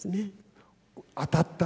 当たった。